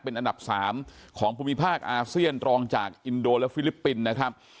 เป็นอันดับ๓ของภูมิภาคอาเซียนรองจากอินโดและฟิลิปปินส์นะครับ